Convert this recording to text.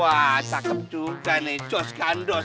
wah cakep juga nih jos gandos